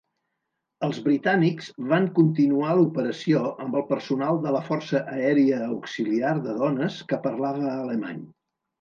Els britànics van continuar l'operació amb el personal de la Força Aèria Auxiliar de Dones que parlava alemany.